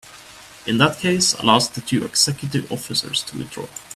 In that case I'll ask the two executive officers to withdraw.